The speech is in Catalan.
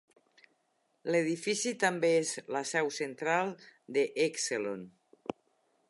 L'edifici també és la seu central de Exelon.